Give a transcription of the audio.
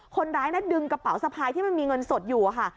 คนร้ายดึงกระเป๋าสะพายที่มันมีเงินสดอยู่ค่ะ